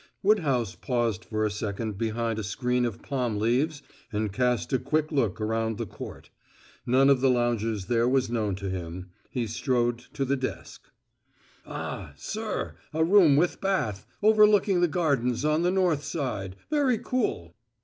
Woodhouse paused for a second behind a screen of palm leaves and cast a quick eye around the court. None of the loungers there was known to him. He strode to the desk. "Ah, sir, a room with bath, overlooking the gardens on the north side very cool."